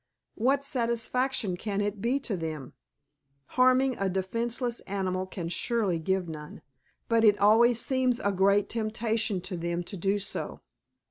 What satisfaction can it be to them? Harming a defenseless animal can surely give none, but it always seems a great temptation to them to do so.